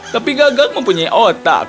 tapi gagak mempunyai otak